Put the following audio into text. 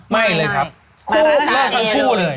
ไม่เลยครับครบเลิกทั้งคู่เลย